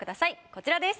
こちらです。